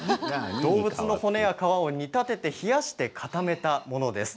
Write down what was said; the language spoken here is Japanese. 動物の骨や皮を煮立てて冷やして固めたものです。